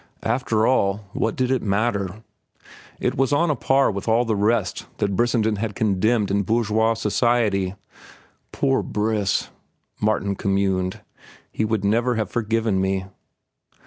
After all, what did it matter? It was on a par with all the rest that Brissenden had condemned in bourgeois society. "Poor Briss," Martin communed; "he would never have forgiven me."